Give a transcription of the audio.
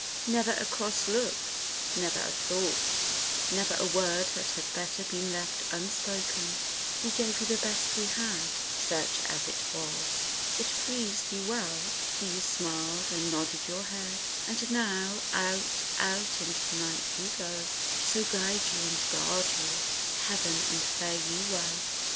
Never a cross look, never a thought, Never a word that had better been left unspoken; We gave you the best we had, such as it was, It pleased you well, for you smiled and nodded your head; And now, out, out into the night you go, So guide you and guard you Heaven and fare you well!